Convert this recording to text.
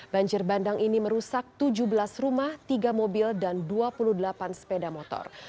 banjir bandang ini merusak tujuh belas rumah tiga mobil dan dua puluh delapan sepeda motor